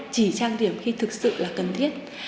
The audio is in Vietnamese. chỉ trang điểm khi thực sự là cần thiết